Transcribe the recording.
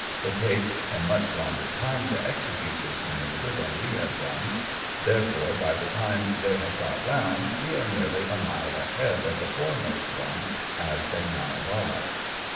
They take a much longer time to execute this manoeuvre than we have done, there fore, by the time they have got round, we are nearly a mile ahead of the foremost one, as they now lie.